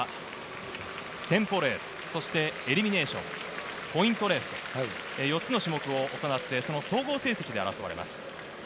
このスクラッチレースの後はテンポレース、そしてエリミネイション、ポイントレースと４つの種目を行って、その総合成績で争われます。